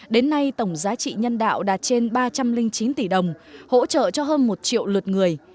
đến nay tổng giá trị nhân đạo đạt trên ba trăm linh chín tỷ đồng hỗ trợ cho hơn một triệu lượt người